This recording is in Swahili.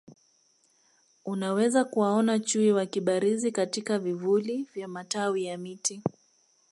Unaweza kuwaona Chui wakibarizi katika vivuli vya matawi ya miti